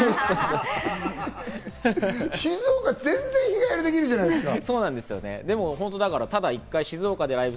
静岡、全然日帰りできるじゃないですか。